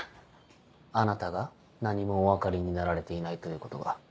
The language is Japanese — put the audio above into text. あなたが何もお分かりになられていないということが。